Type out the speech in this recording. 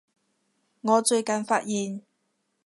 我最近發現